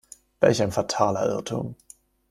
Welch ein fataler Irrtum!